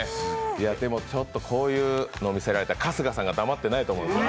でもちょっとこういうの見せられたら、春日さんがだまってないと思うんです。